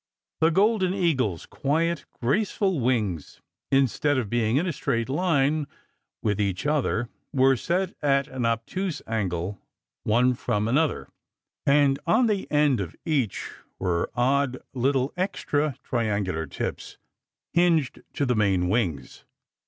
The Golden Eagle s quiet, graceful wings, instead of being in a straight line with each other, were set at an obtuse angle one from another; and on the end of each were odd little extra triangular tips, hinged to the main wings.